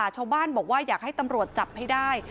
ชาวบ้านบอกว่าอยากให้ตำรวจจับให้ได้